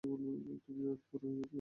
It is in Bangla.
তুমি আজ বড় হয়েছো, অঞ্জলি।